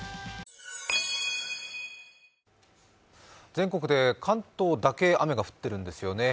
全国で関東だけ雨が降ってるんですよね。